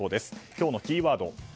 今日のキーワード。